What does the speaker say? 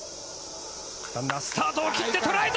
ランナースタートを切って捉えた！